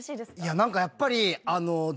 何かやっぱり。